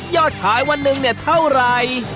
ขายวันหนึ่งเนี่ยเท่าไหร่